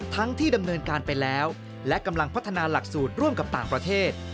ที่ดำเนินการไปแล้วและกำลังพัฒนาหลักสูตรร่วมกับต่างประเทศ